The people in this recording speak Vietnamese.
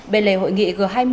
bên lề hội nghị g hai mươi